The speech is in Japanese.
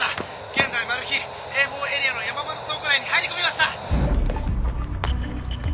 現在マルヒＡ４エリアの山丸倉庫内に入り込みました。